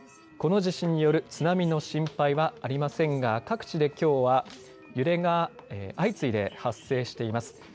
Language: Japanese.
この地震による津波の心配はありませんが各地できょうは揺れが相次いで発生しています。